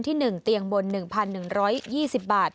เตียงบน๑๑๒๐บาท